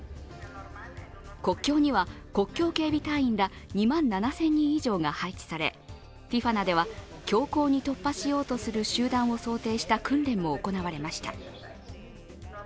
国境には国境警備隊員ら２万７０００人以上が配置されティファナでは強行に突破しようとする集団を想定した訓練も行われました。